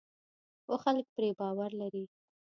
خو خلک پرې باور لري.